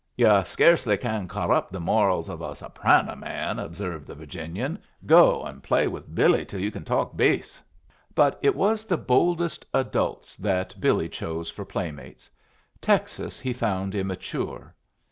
"You sca'cely can corrupt the morals of a soprano man," observed the Virginian. "Go and play with Billy till you can talk bass." But it was the boldest adults that Billy chose for playmates. Texas he found immature.